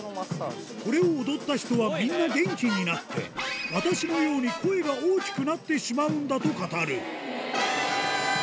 これを踊った人はみんな元気になって、私のように声が大きくなってしまうんだと語る。